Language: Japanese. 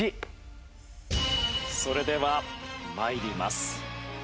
それでは参ります。